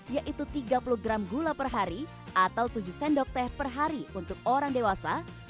yaitu tiga puluh gram gula per hari atau tujuh sendok teh per hari untuk orang dewasa